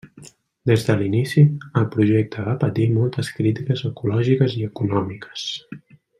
Des de l'inici, el projecte va patir moltes crítiques ecològiques i econòmiques.